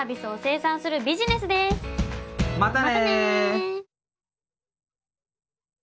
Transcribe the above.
またね。